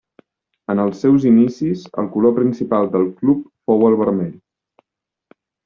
En els seus inicis el color principal del club fou el vermell.